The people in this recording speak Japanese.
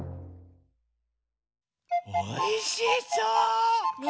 おいしそう！